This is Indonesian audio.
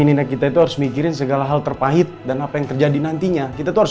nina kita itu harus mikirin segala hal terpahit dan apa yang terjadi nantinya kita tuh harus